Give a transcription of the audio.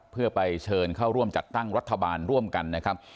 เพื่อไปเชิญเข้าร่วมจัดตั้งรัฐบาลร่วมกันนะครับ